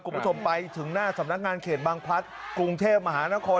คุณผู้ชมไปถึงหน้าสำนักงานเขตบางพลัดกรุงเทพมหานคร